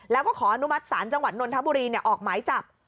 แล้วก็ขออนุมัติศาลจังหวัดนนทบุรีออกหมายจับ